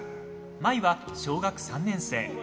舞は小学３年生。